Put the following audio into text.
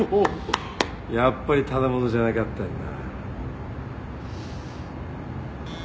やっぱりただ者じゃなかったんだ。